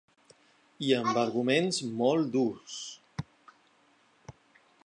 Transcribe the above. I amb arguments molt durs.